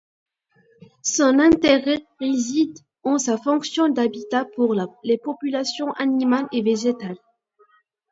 Son intérêt réside en sa fonction d’habitat pour les populations animales et végétales.